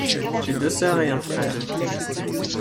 J’ai deux sœurs et un frère.